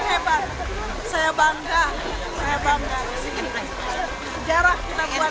abah zij facilities merupakan kualitas masyarakat tahun dua ribu dua puluh dua yang berperan soal suluhan dan pertuguhan masyarakat internasional